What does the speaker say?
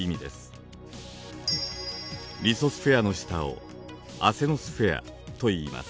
リソスフェアの下を「アセノスフェア」といいます。